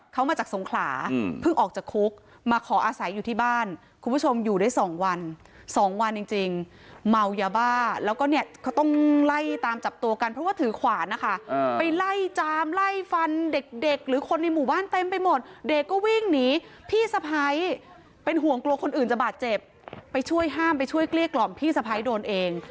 เขามาจากสงขลาเพิ่งออกจากคุกมาขออาศัยอยู่ที่บ้านคุณผู้ชมอยู่ได้สองวันสองวันจริงเมายาบ้าแล้วก็เนี่ยเขาต้องไล่ตามจับตัวกันเพราะว่าถือขวานนะคะไปไล่จามไล่ฟันเด็กหรือคนในหมู่บ้านเต็มไปหมดเด็กก็วิ่งหนีพี่สะพ้ายเป็นห่วงกลัวคนอื่นจะบาดเจ็บไปช่วยห้ามไปช่วยเกลี้ยกล่อมพี่สะพ้ายโดนเอง